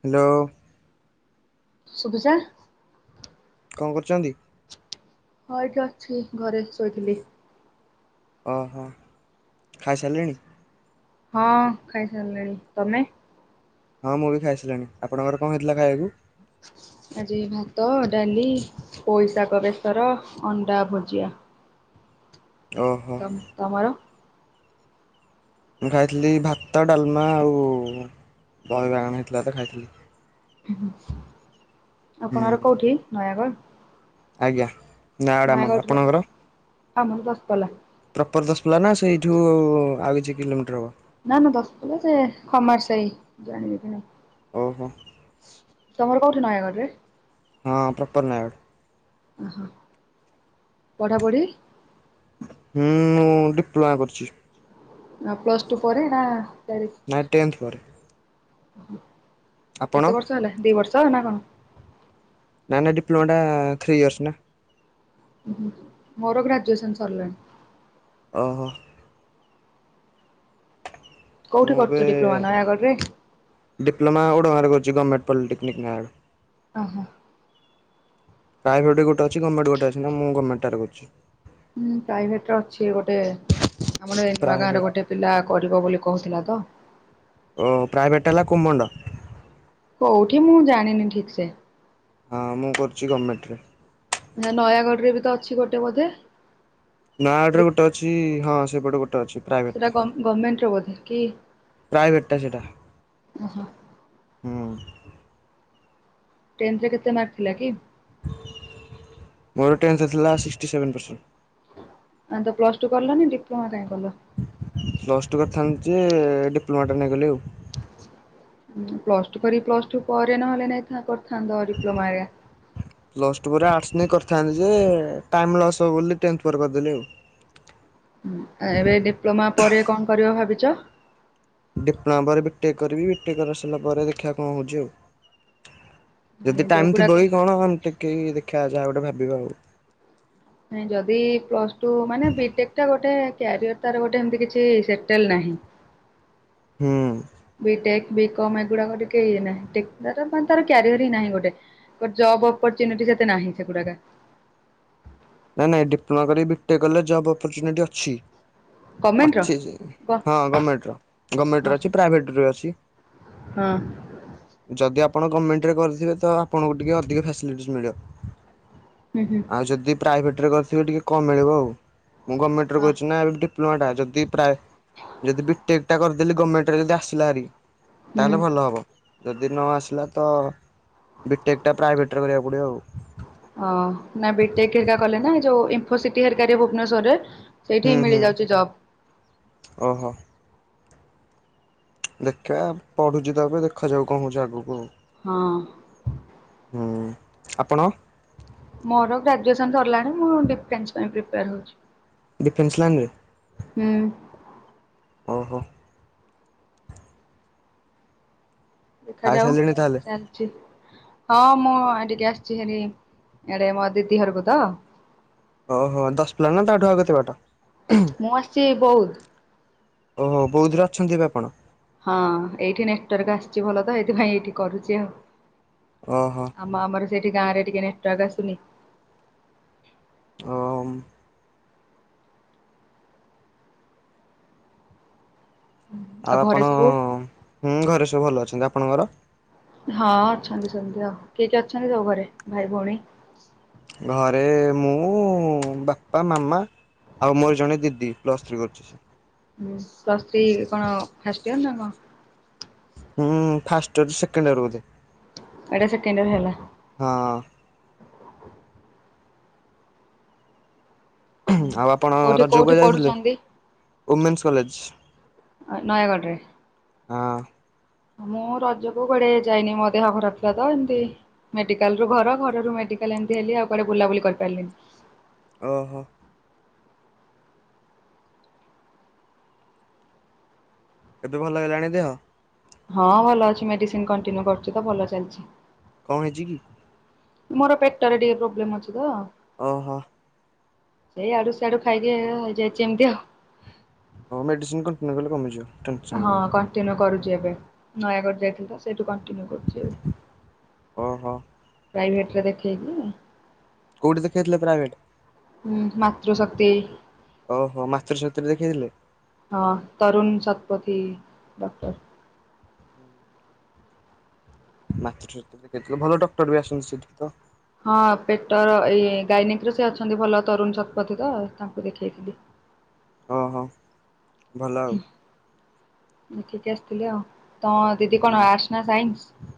[inaudible] [unintelligible] କ'ଣ କରୁଚନ୍ତି? ହଁ ଏଇଠି ଅଛି, ଘରେ ଶୋଇଥିଲି। ଓହୋ ଖାଇସାରିଲିଣି? ହଁ ଖାଇସାରିଲିଣି। ତମେ? ହଁ ମୁଁ ବି ଖାଇସିଲିଣି ଆପଣଙ୍କର କଣ ହେଇଥିଲା ଖାଇବାକୁ? ଆଜି ଭାତ ଡାଲି ପୋଇଶାଗ ବେସର ଅଣ୍ଡା ଭୁଜିଆ। ଓହୋ। ତମ ତମର? ମୁଁ ଖାଇଥିଲି ଭାତ ଡାଲମା ଆଉ ଦହି ବାଇଗଣ ହେଇଥିଲା ତ ଖାଇଥିଲି। ହୁଁ ଆପଣର କୋଉଠି ନୟାଗଡ଼? ଆଜ୍ଞା। ନାଆଡ ଆମର ନୟାଗଡ଼ ର ଆପଣଙ୍କର? ଆମର ଦଶପଲ୍ଲା। ପ୍ରପର ଦଶପଲା ନା ସେଇଠୁ ଆଉ କିଛି କିଲୋମିଟର ହବ? ନା ନା ଦଶପଲା ଯେ ଖମାର ସାଇ ଜାଣିବେ ବି ନା। ଓହୋ। ତମର କୋଉଠି ନୟାଗଡ଼ ରେ? ହଁ ପ୍ରପର ନୟାଗଡ଼। ପଢା ପଢ଼ି? ହୁଁ ମୁଁ ଡିପ୍ଲୋମା କରିଛି। ପ୍ଲସ୍ ଟୁ ପରେ ନା ଡ଼ାଇ ନାଇଁ ଟେନ୍ଥ ପରେ। ଓ ଆପଣ? କେତେ ବର୍ଷ ହେଲା ଦି ବର୍ଷ ନା କଣ? ନା ନା ଡିପ୍ଲୋମାଟା ଥ୍ରୀ ୟର୍ସ ନା। ମୋର ଗ୍ରାଜୁଏସନ୍ ସରିଲାଣି। ଓହୋ। ମୁଁ କୋଉଠି ଏବେ କରୁଛ ଡିପ୍ଲୋମା ନୟାଗଡ଼ ରେ? ଡିପ୍ଲୋମା ଓଡ଼ଙ୍ଗାରେ କରୁଛି ଗମେଟ୍ ପଲିଟେକ୍ନିକ ନାଁରେ। ଓ ହ। ପ୍ରାଇଭେଟ ଗୋଟେ ଅଛି ଗମେଟ୍ ଗୋଟେ ଅଛି ନାଁ ମୁଁ ଗମେଟ୍ ଟାରେ କରୁଛି। ହୁଁ ପ୍ରାଇଭେଟ ର ଅଛି ଗୋଟେ ଆମର ନୂଆ ଗାଁରେ ପ୍ରାଇଭେଟ୍ ଗୋଟେ ପିଲା କରିବ ବୋଲି କହୁଥିଲା ତ। ଓ ପ୍ରାଇଭେଟ୍ ହେଲା କୁମଣ୍ଡ। କୋଉଠି ମୁଁ ଜାଣିନି ଠିକ ସେ। ହଁ ମୁଁ କରୁଛି ଗଭର୍ଣ୍ଣମେଣ୍ଟରେ। ନୟାଗଡ଼ ରେ ବି ତ ଅଛି ଗୋଟେ ବୋଧେ? ନା ଆଡରେ ଗୋଟେ ଅଛି ହଁ ସେପଟେ ଗୋଟେ ଅଛି। ସେଟା ପ୍ରାଇଭେଟ୍ଟା ଗଭର୍ଣମେଣ୍ଟ ର ବୋଧେ କି ପ୍ରାଇଭେଟ୍ଟା ସେଇଟା ଓହୋ। ହୁଁ ଟେନ୍ଥରେ କେତେ ମାର୍କ ଥିଲା କି? ମୋର ଟେନ୍ଥ ଥିଲା ସିକ୍ସଟି ସେଭେନ୍ ପରସେଣ୍ଟ। ଆ ତ ପ୍ଲସ ଟୁ କଲନି ଡିପ୍ଲୋମା କାଇଁ କଲ? ପ୍ଲଶ ଟୁ କରିଥାନ୍ତି ଯେ ଡିପ୍ଲୋମା ଟା ନେଇଗଲେ ଆଉ। ପ୍ଲସ ଟୁ କରିକି ପ୍ଲସ ଟୁ ପରେ ନହେଲେ ନାଇଁ ତା କରିଥାନ୍ତ ଡିପ୍ଲୋମା। ପ୍ଲସ୍ ଟୁ ପରେ ଆର୍ଟସ ନେଇ କରିଥାନ୍ତି ଯେ ଟାଇମ ଲସ୍ ହବ ବୋଲି ଟେନ୍ଥ ପରେ କରିଦେଲି ଆଉ। ଏବେ ଡିପ୍ଲୋମା ପରେ କଣ କରିବ ଭାବିଛ? ିପଣା ପରେ ବିଟେ କରିବି ବିଟେ କରିସାରିଲା ପରେ ଦେଖିବା କଣ ହେଉଛି ଆଉ ମାନେ ଯଦି ଟାଇମ ଥିବ ଯୋଉଗୁଡାକର କି କଣ ଆମେ ଟିକେ ଦେଖା ଯାହା ଗୋଟେ ଭାବିବା ଆଉ। ନଁ ଯଦି ପ୍ଲସ ଟୁ ମାନେ ବିଟେକ୍ ଟା ଗୋଟେ କ୍ୟାରିୟର ତାର ଗୋଟେ ଏମତି କିଛି ସେଟେଲ ନାହିଁ। ହୁଁ। ବିଟେକ୍, ବିକମ୍, ଏଗୁଡାକ ଟିକେ ଇଏ ନାହିଁ। ତାର କ୍ୟାରିୟ ହିଁ ନାହିଁ ଗୋଟେ। ଜବ୍ ଅପର୍ଚୁନିଟି ସେତେ ନାହିଁ, ସେଗୁଡାକେ। ନାଇଁ, ନାଇଁ। ଡିପ୍ଳୋମା କରି, ବିଟେକ୍ କଲେ, ଜବ୍ ଅପର୍ଚୁନିଟି ଅଛି। ଗମେଣ୍ଟର? ଅଛି ଯେ। ଗ ହଁ, ଗମେଣ୍ଟର, ଗମେଣ୍ଟର ଅଛି। ପ୍ରାଇଭେଟ୍ର ଭି ଅଛି। ହଁ। ଯଦି ଆପଣ ଗମେଣ୍ଟରେ କରିଥିବେ, ତ ଆପଣଙ୍କୁ ଟିକିଏ ଅଧିକ ଫାସିଲିଟିସ୍ ମିଳିବ। [inaudible] ହୁଁ, ହୁଁ। ଆଉ ଯଦି ପ୍ରାଇଭେଟ୍ରରେ କରିଥିବେ ଟିକେ କମ୍ ମିଳିବ ଆଉ ମୁଁ ଗମେଣ୍ଟରେ କରିଛି ନା ଏବେ ଟି ଡିପ୍ଲୋମା ଟା ଯଦି ପ୍ରାଏ ଯଦି ବିଟେକ୍ ଟା କରିଦେଲି ଗମେଣ୍ଟରେ ଯଦି ଆସିଲା ହାରି ହୁଁ ତାହେଲେ ଭଲ ହବ ଯଦି ନ ଆସିଲା ତ ବିଟେକ୍ ଟା ପ୍ରାଇଭେଟରେ କରିବାକୁ ପଡିବ ଆଉ। ହଁ ନାଇ ବିଟେକ୍ ହେରିକା କଲେ ନା ଏ ଯୋଉ ଇଫୋସିଟି ହେରିକା ଯୋଉ ଭୁବନେଶ୍ଵରରେ ହୁଁ, ହୁଁ ଓହୋ। ଦେଖିବା, ପଢୁଛି ତ ଏବେ ଦେଖାଯାଉ କଣ ହଉଛି ଆଗକୁ। ହଁ। ହୁଁ ଆପଣ? ମୋର ଗ୍ରାଜୁଏସନ ସରିଲାଣି ମୁଁ ଡିଫେନ୍ସ ପାଇଁ ପ୍ରିପେୟାର ହଉଛି। ଡିଫେନ୍ସ ଲାଇନରେ। ହୁଁ। ଓହୋ। ଦେଖାଯାଉ ଖାଇସାରିଲେଣି ତାହେଲେ ଚାଲ ଚି ହଁ, ମୁଁ ଟିକେ ଆସିଛି ହାରି ଆଡେ ମୋ ଦିଦି ଘରକୁ ତ। ଓହ ଦଶକିଲୋ ନା ତାଠୁ ଆଉ କେତେ ବାଟ? ମୁଁ ଆସିଛି ବୌଦ୍ଧ। ଓହୋ ବୌଦ୍ଧରେ ଅଛନ୍ତି ଏବେ ଆପଣ? ହଁ ଏଇଠି ନେଟୱାର୍କ ଆସୁଛି ଭଲ ତ ଏଇଥିପାଇଁ ଏଇଠି କରୁଛି ଆଉ। ଓହୋ। ଆମ ଆମର ସେଠି ଗାଁରେ ଟିକେ ନେଟୱାର୍କ ଆସୁନି। ଓ ମ ଆଉ ଘରେ ଆପଣ ସବୁ ହୁଁ ଘରେ ସବୁ ଭଲ ଅଛନ୍ତି। ଆପଣଙ୍କର? ହଁ ଅଛନ୍ତି ସେମିତି ଆଉ କିଏ କିଏ ଅଛନ୍ତି ସବୁ ଘରେ? ଭାଇ, ଭଉଣୀ ଘରେ ମୁଁ, ବାପା, ମାମା। ଆଉ ମୋର ଜଣେ ଦିଦି ପ୍ଲସ୍ ଥ୍ରୀ କରୁଛି ସେ। ହୁଁ ପ୍ଲସଥ୍ରୀ କଣ ଫାଷ୍ଟ ଇୟର ନା କଣ? ହୁଁ ଫାଷ୍ଟ ଇୟର, ସେକେଣ୍ଡ ଇୟର ବୋଧେ। ଏଇଟା ସେକେଣ୍ଡ ଇୟର ହେଲା। ହଁ। ଆଉ, ଆପଣ କୋଉଠି ରଜକୁ କୋଉଠି କୁଆ ଯାଇଥିଲେ? ପଢୁଛନ୍ତି ଓମେନ୍ସ କଲେଜ ନୟାଗଡ଼ ରେ। ହଁ। ମୁଁ ରଜକୁ କୁଆଡେ ଯାଇନି ମୋ ଦେହ ଖରାପ ଥିଲା ତ ଏମିତି ମେଡିକାଲରୁ ଘର, ଘରରୁ ମେଡିକାଲ ଏମିତି ହେଲି। ଆଉ କୁଆଡ ବୁଲାବୁଲି କରିପାରିଲିନି। ଓହୋ। ଏବେ ଭଲ ହେଇଗଲାଣି ଦେହ? ହଁ, ଭଲ ଅଛି। ମେଡିସିନ କଣ୍ଟିନ୍ୟୁ କରୁଛି ତ ଭଲ ଚାଲିଛି। କଣ ହେଇଛି କି? ମୋର ପେଟରେ ଟିକେ ପ୍ରୋବ୍ଲେମ୍ ଅଛି ତ ଓହୋ। ସେଇ ଆଡୁ ଶିଆଡୁ ଖାଇକି ଏ ହେଇଯାଇଛି ଏମିତି ଆଉ। ହଉ ମେଡିସିନ କଣ୍ଟିନ୍ୟୁ କଲେ କମିଯିବ। ଟେନସନ ହଁ କଣ୍ଟିନ୍ୟୁ କରୁଛି ଏବେ ନୟାଗଡ଼ ଯାଇଥିଲଥିଲୁ ତ ସେଠୁ କଣ୍ଟିନ୍ୟୁ କରୁଛି ଏବେ ଓହୋ ପ୍ରାଇଭେଟରେ ଦେଖେଇକି କୋଉଠି ଦେଖେଇଥିଲେ ପ୍ରାଇଭେଟ ହୁଁ, ମାତୃଶକ୍ତି। ଓହୋ, ମାତୃଶକ୍ତି ରେ ଦେଖେଇଥିଲେ? ହଁ, ତରୁଣ ଶତପଥି ଡକ୍ଟର। ହୁଁ। ମାତୃଶକ୍ତି, ଭଲ ଡକ୍ଟର ବି ଆସନ୍ତି ସେଠିକି ତ। ହଁ ପେଟର, ଏଇ ଗାଇନିକିର ସେ ଅଛନ୍ତି ଭଲ ତରୁଣ ଶତପଥୀ ତ, ତାଙ୍କୁ ଦେଖେଇଥିଲି। ଓହୋ, ଭଲ ଆଉ। ଦେଖେଇକି ଆସିଥିଲି ଆଉ, ତମ ଦିଦି କଣ ହୁଁ ଆର୍ଟସ ନା ସାଇନ୍ସ?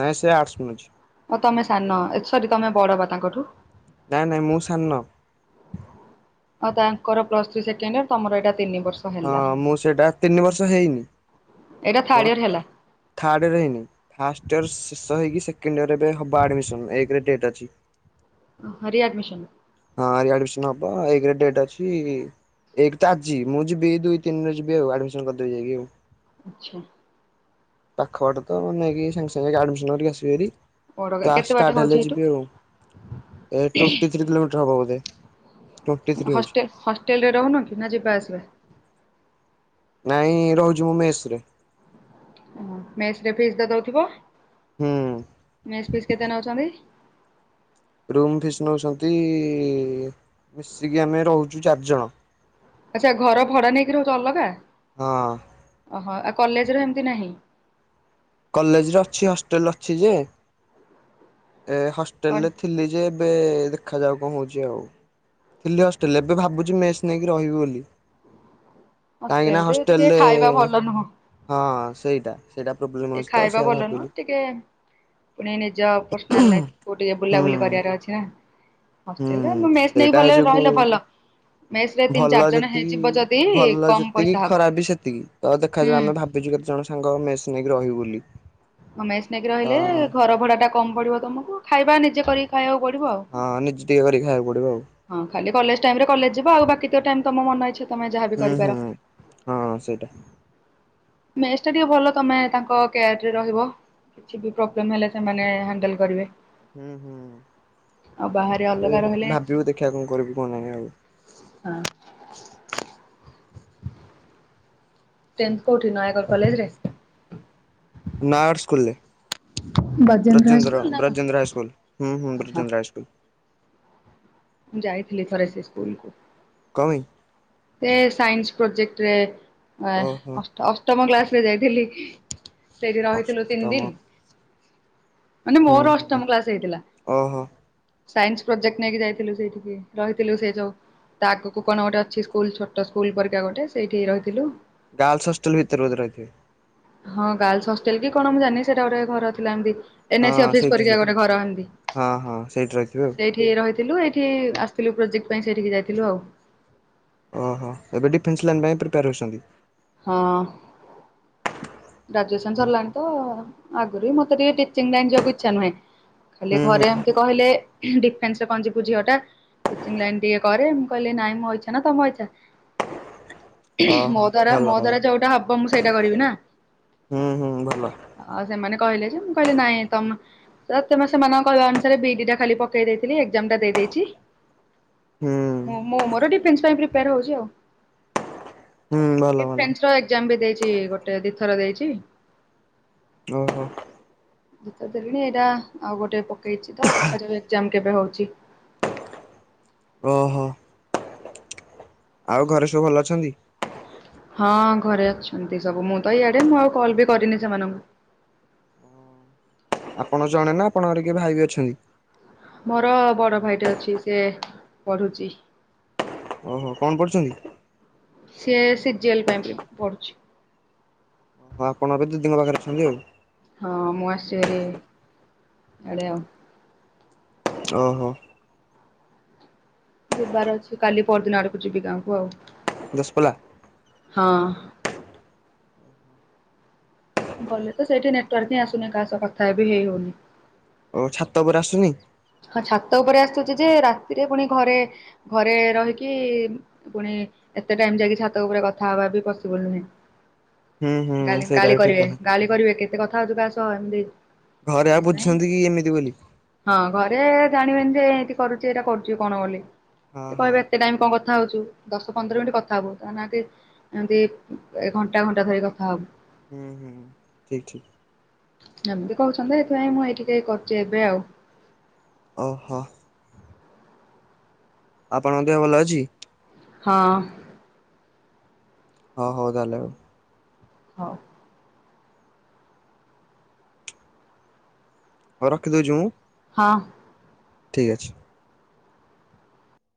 ନାଇଁ ସେ ଆର୍ଟସ [unintelligible] ଓ ତମେ ସାନ, ଏ ସରି ତମେ ବଡ ବା ତାଙ୍କଠୁ? ନାଇଁ ନାଇଁ, ମୁଁ ସାନ। ଆଉ ତାଙ୍କର ପ୍ଲସ ଥ୍ରୀ ସେକଣ୍ଡଇଅର ତମର ଏଟା ତିନି ବର୍ଷ। ହେଲା। ହଁ, ମୁଁ ସେଇଟା ତିନି ବର୍ଷ ହେଇନି, ଏଇଟା ଥାର୍ଡ ମୋର ଇୟର ହେଲା ଥାର୍ଡ଼ ଇଅର ହେଇନି, ଫାଷ୍ଟ ଇୟର୍ ଶେଷ ହେ ହୋଇକି ସେକେଣ୍ଡ ଇୟରରେ ଏବେ ହେବ ଆଡ଼ମିସନ୍ ଏକରେ ଡେଟ୍ ଅଛି। ହରି ଆଡମିସନ ହଁ ରିଆଡମିସନ ହବ, ଏକରେ ଡେଟ୍ ଅଛି ଇ ଏକ ତ ଆଜି, ମୁଁ ଯିବି ଦୁଇ ତିନି ରେ ଯିବି ଆଉ, ଆଡମିସନ କରିଦେବି ଯାଇକି ଆଉ। ଆଛା। ପାଖବାଟ ତ, ମୁଁ ନେଇକି ସାଙ୍ଗେ ସାଙ୍ଗେ ଆଡମିସନ କରିକି ଆସିବିହାରି। ଓଡ଼ଗାଁ କ୍ଲାସ କେତେ ବାଟ ଷ୍ଟାର୍ଟ ହଉଛି ହେଲେ ଏଇଠୁ? ଯିବି ଆଉ, ଏ ଟୋଣ୍ଟି ଥ୍ରି କିଲୋମିଟର ହବ ବୋଧେ। ଟ୍ୱେଣ୍ଟି ଥ୍ରୀ ହଉଛି ହଷ୍ଟେଲ, ହଷ୍ଟେଲରେ ରହୁନ କି? ନା ଯିବା ଆସିବା? ନାଇଁ, ରହୁଛି ମୁଁ ମେସରେ। ଓ, ମେସରେ ଫିସ୍ ତ ଦଉଥିବ, ହୁଁ ମେସଫିସ୍ କେତେ ନଉଛନ୍ତି? ରୁମ୍ ଫିସ୍ ନଉଛନ୍ତି, ମିଶିକି ଆମେ ରହୁଛୁ ଚାରିଜଣ। ଆଛା, ଘର ଭଡା ନେଇକି ରହୁଛ ଅଲଗା। ହଁ। ଓହୋ, ଆଉ କଲେଜରେ ଏମିତି ନାହିଁ? କଲେଜରେ ଅଛି, ହଷ୍ଟେଲ ଅଛି ଯେ, ଏ କଣ ହଷ୍ଟେଲରେ ଥିଲି ଯେ ଏବେ ଦେଖାଯାଉ କଣ ହଉଛି ଆଉ। ଥିଲି ହଷ୍ଟେଲରେ, ଏବେ ଭାବୁଛି ମେସ୍ ନେଇକି ରହିବି ବୋଲି। କାହିଁକି ନା ଟିକେ ହଷ୍ଟେଲରେ, ଖାଇବା ଭଲ ନୁହଁ। ହଁ ସେଇଟା ସେଇଟା ପ୍ରୋବ୍ଲେମ ଏଇ ଅଛି ତ ଖାଇବା ସେଇଆ ଭଲ ନୁହଁ, ଭାବିଲି ଟିକେ ପୁଣି ନିଜ ପର୍ସନାଲ୍ ଲାଇଫ୍ କୁ ଟିକେ ହୁଁ ବୁଲାବୁଲି କରିବାର ଅଛି ନା। ହୁଁ ହଷ୍ଟେଲରେ ମେସ ନେଇକି ସେଇଟା ହେଇ ଭଲରେ ଯୋଗୁ ରହିଲେ ଭଲ। ମେସ ରେ ତିନି ଭଲ ଚାରି ଜଣ ଯେତିକି ହେଇଯିବ ଯଦି, ଭଲ କମ ଯେତିକି ପଇସା ହବ। ଖରାପ ବି ସେତିକି, ତ ଦେଖାଯାଉ ହୁଁ। ଆମେ ଭାବିଛୁ କେତେ ଜଣ ସାଙ୍ଗ ମେସ୍ ନେଇକି ରହିବୁ ବୋଲି। ମେଶ ନେଇକି ତ ରହିଲେ, ଘର ଭଡା ଟା କମ ପଡିବ ତମକୁ, ଖାଇବା ନିଜେ କରିକି ଖାଇବାକୁ ପଡିବ ଆଉ। ହଁ, ନିଜେ ଟିକେ କରିକି ଖାଇବାକୁ ପଡିବ ଆଉ। ହଁ ଖାଲି କଲେଜ ଟାଇମ ରେ କଲେଜ ଯିବ ଆଉ ବାକି ତ ଟାଇମ ତମ ମନ ଇଛା ତମେ ଯାହାବି ହୁଁ କରିପାର? ହୁଁ। ହଁ ସେଇଟା ମେସଟା ଟିକେ ଭଲ ତମେ ତାଙ୍କ [unintelligible] କେଆର ରେ ରହିବ, କିଛି ବି ପ୍ରୋବ୍ଲେମ ହେଲେ ସେମାନେ ହ୍ୟାଣ୍ଡେଲ କରିବେ। ହୁଁ ହୁଁ, ଆଉ ବାହାରେ ଅଲଗା ରହିଲେ ଭାବିବୁ ଦେଖିବା କଣ କରିବୁ କଣ ନାହିଁ ଆଉ। ହଁ ଟେନ୍ଥ କୋଉଠି? ନୟାଗଡ଼ କଲେଜରେ? ନାର୍ଡ ସ୍କୁଲରେ, ବ୍ରଜେନ୍ଦ୍ର, ହାଇସ୍କୁଲ ନା କଣ? ବ୍ରଜେନ୍ଦ୍ର ହାଇସ୍କୁଲ୍, ହୁଁ ହୁଁ ହଁ ବ୍ରଜେନ୍ଦ୍ର ହାଇସ୍କୁଲ। ମୁଁ ଯାଇଥିଲି ଥରେ ସେ ସ୍କୁଲକୁ। କଁ ପାଇଁ? ସେ ସାଇନ୍ସ ପ୍ରୋଜେକ୍ଟ ରେ, ଅ ଓହୋ ଅଷ୍ଟ ଅଷ୍ଟମ କ୍ଲାସ ରେ ଯାଇଥିଲି। ସେଇଠି ରହିଥିଲୁ ତିନି ଅଷ୍ଟମ ଦିନି, ମାନେ ହୁଁ ମୋର ହୁଁ। ଅଷ୍ଟମ କ୍ଲାସ ହେଇଥିଲା। ଓହୋ ସାଇନ୍ସ ପ୍ରୋଜେକ୍ଟ ନେଇକି ଯାଇଥିଲୁ ସେଇଠିକି ରହିଥିଲୁ ସେ ଯୋଉ ତା ଆଗକୁ କଣ ଗୋଟେ ଅଛି? ସ୍କୁଲ ଛୋଟ ସ୍କୁଲ ପରିକା ଗୋଟେ ସେଇଠି ରହିଥିଲୁ। ଗାର୍ଲସ ହଷ୍ଟେଲ ଭିତରେ ଭିତରେ ବୋଧେ ରହିଥିବେ? ହଁ ଗାର୍ଲସ ହଷ୍ଟେଲ କି କଣ ମୁଁ ଜାଣିନି ସେଇଟା ଗୋଟେ ଘର ଥିଲା ଏମିତି ଏନ୍ ଏସ ସି ହଁ ଅଫିସ ସେଇଠି ପରିକି ସେଇଠି ଗୋଟେ ଘର ହେନ୍ତି ହଁ ହଁ ରହିଥିବେ ଆଉ। ସେଇଠି ସେଠି ରହିଥିଲୁ ଏଇଠି ଆସିଥିଲୁ ପ୍ରୋଜେକ୍ଟ ପାଇଁ ସେଠିକି ଯାଇଥିଲୁ ଆଉ ଓହୋ ଏବେ ଡିଫେନ୍ସ ଲାଇନ୍ ପାଇଁ ପ୍ରିପେରାସନ। ହଁ। ଗ୍ରାଜୁଏସନ୍ ହୁଁ ସରିଲାଣି ତ ଆଗରୁ ବି ମତେ ଟିକେ ଟିଚିଂ ଲାଇନ୍ ଯିବାକୁ ଇଛା ନୁହେଁ ହେଲେ ହୁଁ ଘରେ ଏମିତି କହିଲେ ଡିଫେନ୍ସରେ କଣ ଯିବୁ ଝିଅ ଟା ଟିଚିଂ ଲାଇନ୍ ଟିକେ କରେ ମୁଁ କିହିଲ ନାଇଁ ମୋ ଇଚ୍ଛା ନା ତମ ଇଚ୍ଛା? ମୋ ଓହୋ ଦ୍ଵାରା ଭଲ ମୋ ଭଲ। ଦ୍ଵାରା ଯୋଉଟା ହବ ମୁଁ ସେଇଟା କରିବି ନା। ହୁଁ ହୁଁ ଭଲ। ଆଉ ସେମାନେ କହିଲେ ଯେ ମୁଁ କହିଲେ ନାଇଁ ତମ ତ ତମେ ସେମାନଙ୍କ କହିବା ଅନୁସାରେ ବିଇଡି ଟା ଖାଲି ପକେଇ ଦେଇଥିଲି ଏକ୍ସାମ ଟା ଦେଇଦେଇଛି। ହୁଁ ମୁଁ ମୁଁ ମୋର ଡିଫେନ୍ସ ପାଇଁ ପ୍ରିପେୟାର ହଉଛି ଆଉ ହୁଁ ଭଲ ଭଲ ଡିଫେନ୍ସ ର ଏକ୍ସାମ୍ ବି ଦେଇଛି ଗୋଟେ ଦିଥର ଦେଇଛି ଓହୋ। ଯେତ ଦେଲିଣି ଏଇଟା ଆଉ ଗୋଟେ ପକେଇଛି ତ ଦେଖାଯାଉ ଏକ୍ସଜାମ୍ କେବେ ହଉଛି? ଓହୋ। ଆଉ ଘରେ ସବୁ ଭଲ ଅଛନ୍ତି? ହଁ ଘରେ ଅଛନ୍ତି ସବୁ ମୁଁ ତ ଇଆଡେ ମୁଁ ଆଉ କଲ୍ ବି କରିନି ସେମାନଙ୍କୁ ଆପଣ ଜଣେ ନା ଆପଣଙ୍କର କିଏ ଭାଇ ବି ଅଛନ୍ତି? ମୋର ବଡ ଭାଇଟେ ଅଛି ସେ ପଢୁଛି। ଓହୋ କଣ ପଢୁଛନ୍ତି? ସିଏ ସିଜିଏଲ ପାଇଁ ବି ପଢ଼ୁଛି। ହଁ ଆପଣ ଏବେ ଦିଦୀଙ୍କ ପାଖରେ ଅଛନ୍ତି ଆଉ ହଁ ମୁଁ ଆସିଚି ବାରି ଇଆଡ଼େ ଆଉ ଓ ହୋ। ଯିବାର ଅଛି କାଲି ପର ଦିନ ଆଡକୁ ଯିବି ଗାଁକୁ ଆଉ ଦଶପଲା। ହଁ। ଗଲେ ତ ସେଇଠି ନେଟୱାର୍କି ହିଁ ଆସୁନି କାହା ସ କଥା ହେବି ହେଇ ହଉନି? ଓ ଛାତ ଉପରେ ଆସୁନି? ହଁ ଛାତ ଉପରେ ଆସୁଛି ଯେ ରାତିରେ ପୁଣି ଘରେ ଘରେ ରହିକି ପୁଣି ଏତେ ଟାଇମ ଯାଇକି ଛାତ ଉପରେ କଥା ହବା ବି ପସିବୁଲ ନୁହେଁ। ହୁଁ ହୁଁ ଗାଳି ସେଇଟା ଗାଳି ବି ଠିକ କରିବେ କଥା। ଗାଳି କରିବେ କେତେ କଥା ହେଉଛୁ କା ସହ ଏମିତି ଘରେ ଆଉ ସେଥିପାଇଁ ବୁଝୁଛନ୍ତି କି ଏମିତି ବୋଲି। ହଁ ଘରେ ଜାଣିବେନି ଯେ ଏଇଠି କରୁଚି ଏଇଟା କରୁଚି କଣ ହଁ କ ହଁ କହିବେ ଏତେ ଟାଇମ କଣ କଥା ହଉଚୁ ଦଶ ପନ୍ଦର ମିନିଟ୍ କଥା ହଵୁ ତା ଏମିତି ଘଣ୍ଟା ଘଣ୍ଟା ଧରି କଥା ହବୁ। ହୁଁ ହୁଁ ଠିକ୍ ଠିକ୍। ଏମିତି କହୁଛନ୍ତି ଏଇଥିପାଇଁ ମୁଁ ଏଇଠି କେ କରୁଛି ଏବେ ଆଉ ଓହୋ। ଆପଣଙ୍କ ଦେହ ଭଲ ଅଛି? ହଁ ହଁ ହଉ ତାହେଲେ ଆଉ ହଉ। ହଉ ରଖିଦଉଛି ମୁଁ? ହଁ। ଠିକ୍ ଅଛି।